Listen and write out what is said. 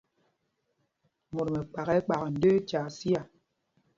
Mot mɛkpak ɛ́ kpak ndə́ə́ tyaa siá.